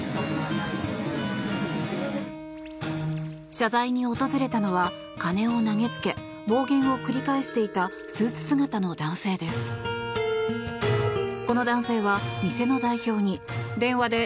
謝罪に訪れたのは金を投げつけ暴言を繰り返していたスーツ姿の男性です。